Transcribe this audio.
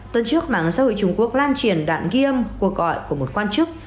tuần trước mạng xã hội trung quốc lan truyền đoạn ghi âm cuộc gọi của một quan chức